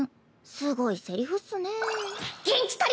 すごいセリフっスね。